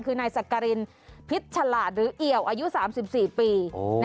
คือนายสักกรินพิษฉลาดหรือเอี่ยวอายุ๓๔ปี